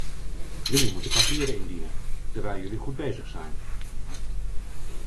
Jullie moeten papieren indienen, terwijl jullie goed bezig zijn.